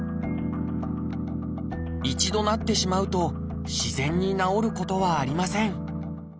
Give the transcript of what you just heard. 一度なってしまうと自然に治ることはありません。